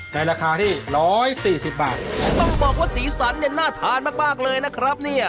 ในราคาที่ร้อยสี่สิบบาทต้องบอกว่าสีสันเนี่ยน่าทานมากมากเลยนะครับเนี่ย